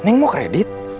neng mau kredit